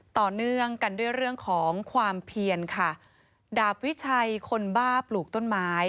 ต่อเนื่องกันด้วยเรื่องของความเพียนค่ะดาบวิชัยคนบ้าปลูกต้นไม้